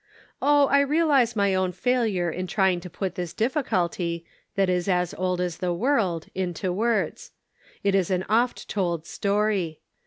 Oh, I realize my own failure in trying to put this difficulty, that is as old as the world, into words. It is an oft told story.